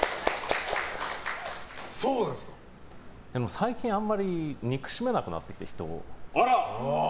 最近あんまり憎めなくなってきて、人を。